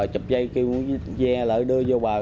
chụp dây kêu nó dè lại đưa vô bờ